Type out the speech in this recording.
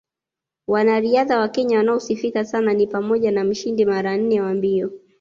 Wanariadha wa Kenya wanaosifika sana ni pamoja na mshindi mara nne wa mbio